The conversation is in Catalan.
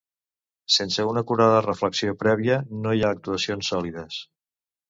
Sense una acurada reflexió prèvia no hi ha actuacions sòlides.